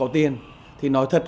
thì nói thật